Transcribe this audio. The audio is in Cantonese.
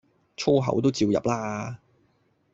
粗口都照入啦